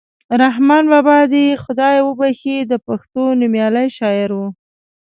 رحمان بابا دې یې خدای وبښي د پښتو نومیالی شاعر ؤ.